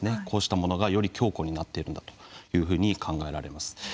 こうしたものがより強固になっているんだろ考えられます。